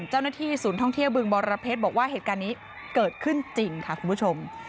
เจ้าหน้าที่ศูนย์ท่องเที่ยวบึงบรเพชรบอกว่าเหตุการณ์นี้เกิดขึ้นจริงค่ะคุณผู้ชม